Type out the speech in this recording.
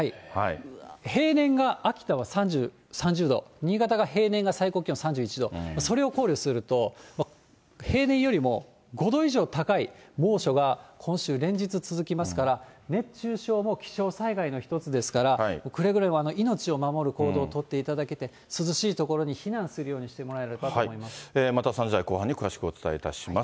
平年が秋田は３０度、新潟が平年が最高気温３１度、それを考慮すると、平年よりも５度以上高い猛暑が今週、連日続きますから、熱中症も気象災害の一つですから、くれぐれも命を守る行動を取っていただけて、涼しい所に避難するまた３時台後半に詳しくお伝えいたします。